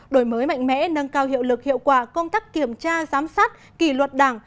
đổi mới mạnh mẽ nâng cao hiệu lực hiệu quả công tác kiểm tra giám sát kỷ luật đảng